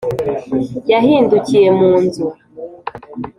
yahindukiye mu nzu.